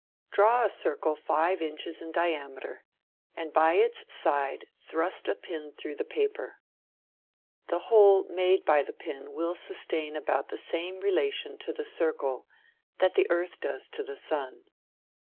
Draw a circle five inches in diameter, and by its side thrust a pin through the paper. The hole made by the pin will sustain about the same relation to the circle that the earth does to the sun.